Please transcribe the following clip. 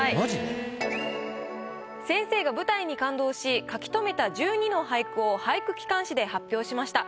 先生が舞台に感動し書き留めた１２の俳句を俳句機関紙で発表しました。